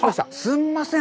すみません。